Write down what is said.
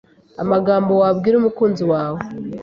amagambo wabwira umukunzi wawe